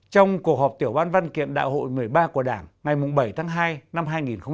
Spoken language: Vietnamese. trong cuộc họp tiểu ban văn kiện đại hội một mươi ba của đảng ngày bảy tháng hai năm hai nghìn hai mươi